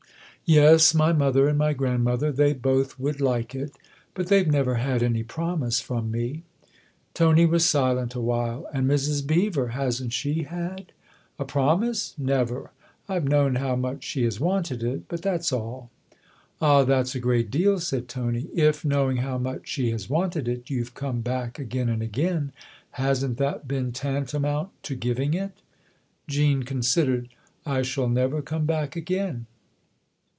"Yes, my mother and my grandmother they both would like it. But they've never had any promise from me." Tony was silent awhile. " And Mrs. Beever hasn't she had ?"" A promise ? Never. I've known how much she has wanted it. But that's all." "Ah, that's a great deal," said Tony. "If, knowing how much she has wanted it, you've come back again and again, hasn't that been tantamount to giving it ?" Jean considered. " I shall never come back again."